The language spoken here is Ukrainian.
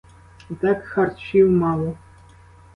І так харчів мало.